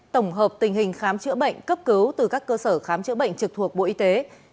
tổng hợp tình hình khám chữa bệnh cấp cứu từ các cơ sở khám chữa bệnh trực thuộc bộ y tế